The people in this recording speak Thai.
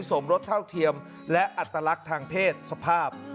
สมรสเท่าเทียมและอัตลักษณ์ทางเพศสภาพ